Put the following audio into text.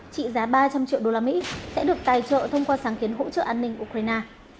trị giá ba trăm linh triệu usd sẽ được tài trợ thông qua sáng kiến hỗ trợ an ninh ukraine